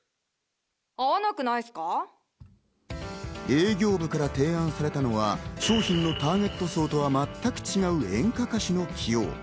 営業部から提案されたのは商品のターゲット層とは全く違う演歌歌手の起用。